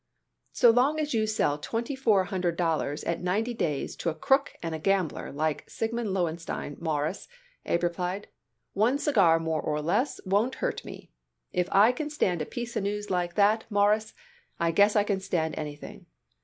"So long as you sell twenty four hundred dollars at ninety days to a crook and a gambler like Siegmund Lowenstein, Mawruss," Abe replied, "one cigar more or less won't hurt me. If I can stand a piece of news like that, Mawruss, I guess I can stand anything.